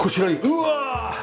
うわ！